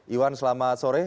iwan selamat sore